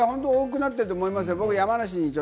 多くなってると思いますよ。